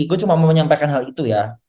gue cuma mau menyampaikan hal itu ya